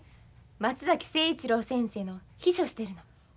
松崎清一郎先生の秘書してるの。